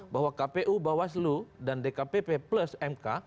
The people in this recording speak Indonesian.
bahwa kpu bawaslu dan dkpp plus mk